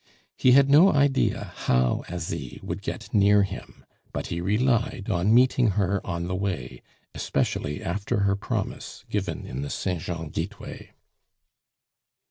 He had no idea how Asie would get near him; but he relied on meeting her on the way, especially after her promise given in the Saint Jean gateway.